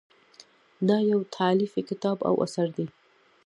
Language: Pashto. دا یو تالیفي کتاب او اثر دی.